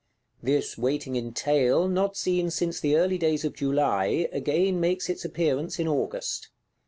This waiting in tail, not seen since the early days of July, again makes its appearance in August.